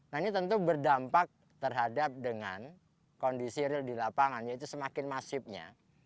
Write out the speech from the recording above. nah ini tentu berdampak terhadap dengan kondisi real di lapangan yaitu semakin masifnya